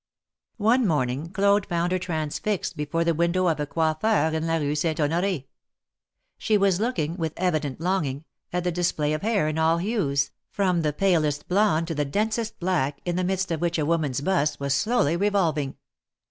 One morning Claude found her transfixed before the w'indow of a coiffeur in la Rue Saint Honor4. She was looking, with evident longing, at the display of hair in all hues, from the palest blonde to the densest black, in the midst of which a woman's bust was slowly revolving.